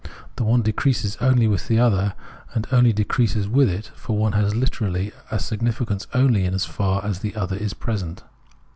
The one decreases only with the other, and only increases with it, for one has hterally a significance only so far as the other is present.